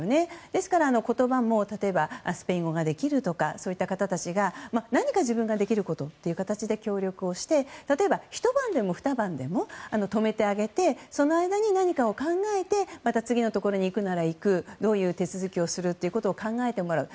ですから、言葉も例えば、スペイン語ができるとかそういった方たちが何か自分ができることとという形で協力して例えば、ひと晩でもふた晩でも泊めてあげてその間に何かを考えてまた次のところに行くなら行くどういう手続きをするかを考えてもらう。